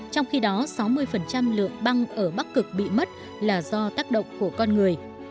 trong khi đó sáu mươi lượng băng ở bắc cực bị mất là do tác động của con người